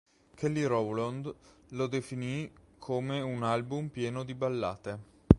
Kelly Rowland lo definì come "un album pieno di ballate"